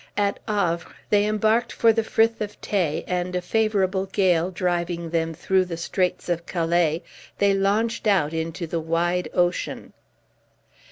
At Havre, they embarked for the Frith of Tay; and a favorable gate driving them through the straits of Calais, they launched out into the wide ocean.